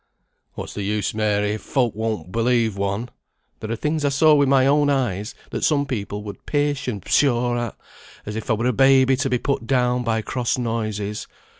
"What's the use, Mary, if folk won't believe one. There are things I saw with my own eyes, that some people would pish and pshaw at, as if I were a baby to be put down by cross noises.